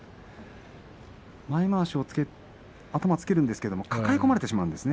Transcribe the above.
前まわしを頭をつけるんですが抱え込まれてしまうんですね。